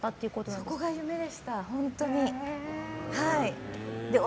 そこが夢でした、本当に。